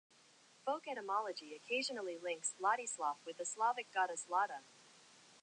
Folk etymology occasionally links "Ladislav" with the Slavic goddess Lada.